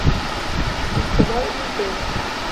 السَّمَاءُ مُمْطِرَةٌ.